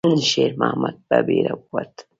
شېرمحمد په بیړه ووت.